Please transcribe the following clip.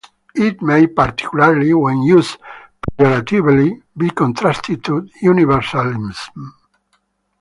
It may, particularly when used pejoratively, be contrasted to universalism.